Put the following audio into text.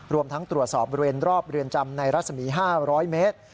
รวมทั้งตรวจสอบบริเวณรอบเรือนจำในรัศมี๕๐๐เมตร